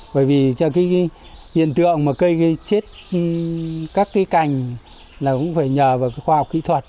bởi vì cái hiện tượng mà cây gây chết các cái cành là cũng phải nhờ vào khoa học kỹ thuật